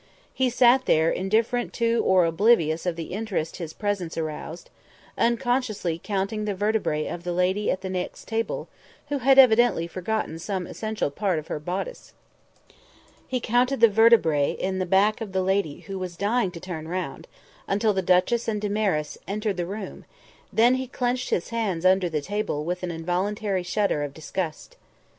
He sat there, indifferent to or oblivious of the interest his presence aroused, unconsciously counting the vertebrae of the lady at the next table, who had evidently forgotten some essential part of her bodice. He counted the vertebrae in the back of the lady who was dying to turn round, until the duchess and Damaris entered the room; then he clenched his hands under the table with an involuntary shudder of disgust.